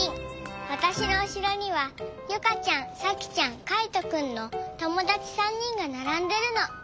わたしのうしろにはユカちゃんサキちゃんカイトくんのともだち３人がならんでるの。